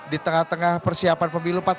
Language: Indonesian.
di tengah tengah persiapan pemilu